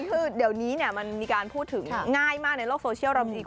คือเดี๋ยวนี้มันมีการพูดถึงง่ายมากในโลกโซเชียลเราดีกว่า